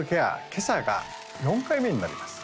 今朝が４回目になります